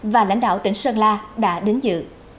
và lãnh đạo tỉnh sơn la đã đến dự